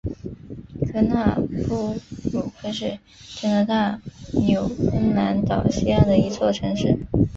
科纳布鲁克是加拿大纽芬兰岛西岸的一座城市。